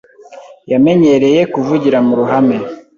Yamenyereye kuvugira mu ruhame.